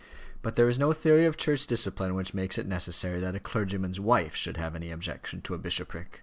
But there is no theory of church discipline which makes it necessary that a clergyman's wife should have an objection to a bishopric.